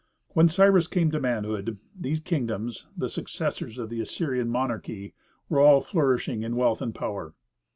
When Cyrus came to manhood, these kingdoms, the successors of the Assyrian monarchy, were all flourishing in wealth and power.